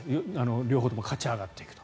両方とも勝ち上がってくると。